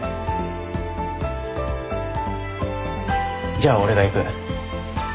じゃあ俺がいく。